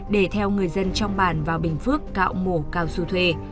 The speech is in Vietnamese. để theo người dân trong bản vào bình phước cạo mổ cao su thuê